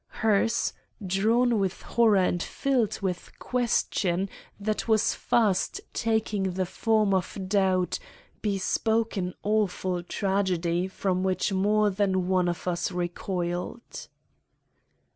Hers, drawn with horror and filled with question that was fast taking the form of doubt, bespoke an awful tragedy from which more that one of us recoiled.